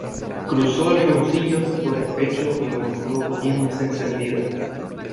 cruzó el rebocillo sobre el pecho y murmuró poniéndose encendida: